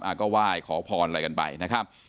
ก็ไหว้ขอพรอะไรกันไปนะครับ